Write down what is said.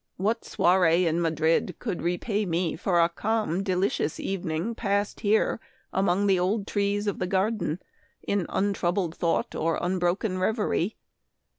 What soiree in Madrid could repay me for a calm, delicious evening passed here among the old trees of the garden, in untroubled thought or unbroken reverie